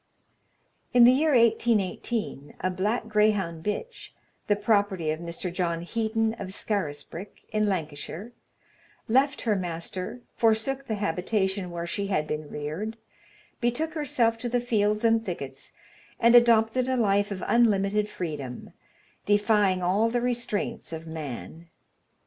In the year 1818, a black greyhound bitch, the property of Mr. John Heaton, of Scarisbrick, in Lancashire, left her master, forsook the habitation where she had been reared, betook herself to the fields and thickets, and adopted a life of unlimited freedom, defying all the restraints of man.